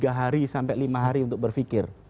masih harus perlu tiga lima hari untuk berpikir